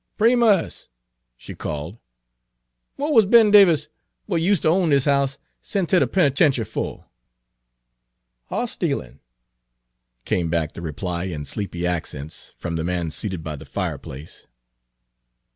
Primus," she called, "w'at wuz Ben Davis, w'at useter own dis yer house, sent ter de penitenchy for?" "Hoss stealin'," came back the reply in sleepy accents, from the man seated by the fireplace.